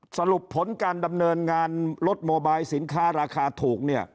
สรุปผลการดำเนินงานรถโมบายสินค้าราคาถูกเนี่ย